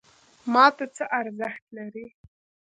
ماته څه ارزښت لري؟